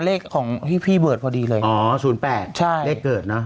เลขของพี่พี่เบิร์ตพอดีเลยอ๋อศูนย์แปดใช่เลขเกิดเนอะ